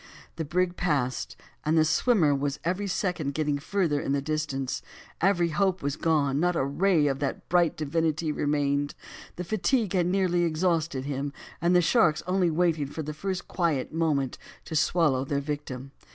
The brig passed, and the swimmer was every second getting further in the distance, every hope was gone, not a ray of that bright divinity remained; the fatigue had nearly exhausted him, and the sharks only waited for the first quiet moment to swallow their victim.